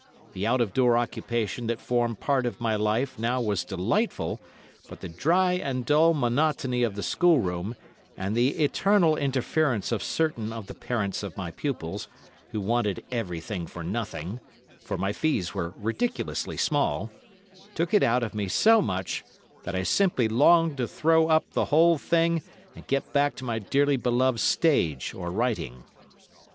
The out of door occupation that formed part of my life now was delightful, but the dry and dull monotony of the schoolroom, and the eternal interference of certain of the parents of my pupils, who wanted everything for nothing, for my fees were ridiculously small, took it out of me so much, that I simply longed to throw up the whole thing and get back to my dearly beloved stage or writing.